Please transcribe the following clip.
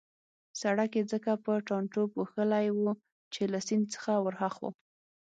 سړک يې ځکه په ټانټو پوښلی وو چې له سیند څخه ورهاخوا.